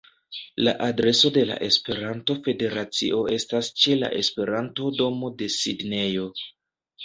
La adreso de la Esperanto-Federacio estas ĉe la Esperanto-domo de Sidnejo.